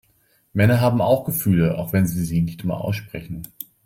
Männer haben auch Gefühle, auch wenn sie sie nicht immer aussprechen.